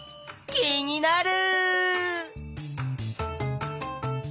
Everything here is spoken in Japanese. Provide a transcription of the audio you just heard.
気になる。